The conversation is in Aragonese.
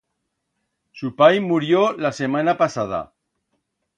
Su pai murió la semana pasada.